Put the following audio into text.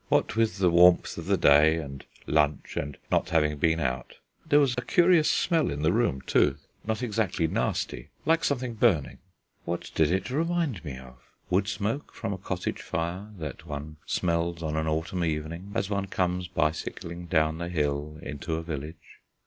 What with the warmth of the day, and lunch, and not having been out.... There was a curious smell in the room, too, not exactly nasty, like something burning. What did it remind me of? Wood smoke from a cottage fire, that one smells on an autumn evening as one comes bicycling down the hill into a village?